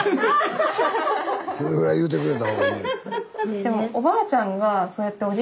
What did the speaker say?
それぐらい言うてくれた方がいいよ。